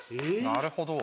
なるほど。